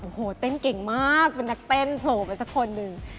โอ้โหเต้นเก่งมากเป็นนักเต้นโผล่ไปสักคนหนึ่ง